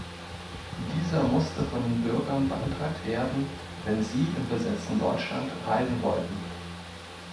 Dieser musste von den Bürgern beantragt werden, wenn sie im besetzten Deutschland reisen wollten.